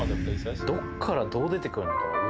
どっからどう出てくるのか上？